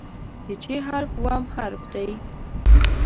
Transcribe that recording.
د "چ" حرف اووم حرف دی.